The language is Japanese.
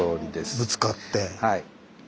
ぶつかって。